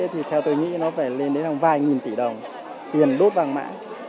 thì theo tôi nghĩ nó phải lên đến hàng vài nghìn tỷ đồng tiền đốt vàng mã